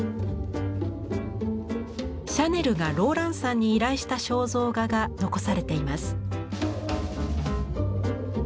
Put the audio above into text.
シャネルがローランサンに依頼した肖像画が残されています。